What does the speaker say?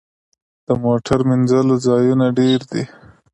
د موټر مینځلو ځایونه ډیر دي؟